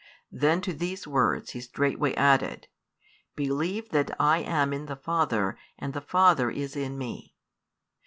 Then to these words He straightway added: Believe that I am in the Father and the Father is in Me.